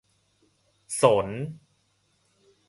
สน